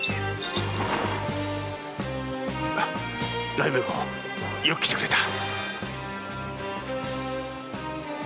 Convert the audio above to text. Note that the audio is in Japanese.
雷鳴号よく来てくれた。